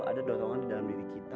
ada dorongan di dalam diri kita